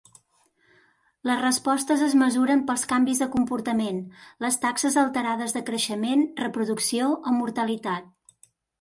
Les respostes es mesuren pels canvis de comportament, les taxes alterades de creixement, reproducció o mortalitat.